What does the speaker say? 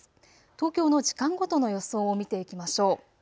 東京の時間ごとの予想を見ていきましょう。